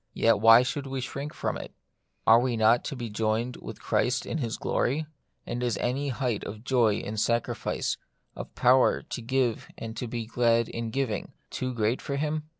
Yet why should we shrink from it ? Are we not to be joined with Christ in His glory ; and is any height of joy in sacrifice, of power to give and to be glad in giving, too great for Him